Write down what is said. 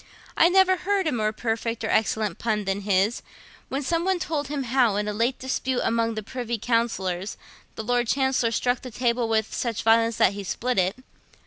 I never heard a more perfect or excellent pun than his, when some one told him how, in a late dispute among the Privy Councillors, the Lord Chancellor struck the table with such violence that he split it.